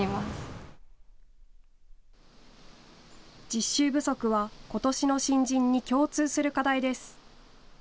実習不足はことしの新人に共通する課題です。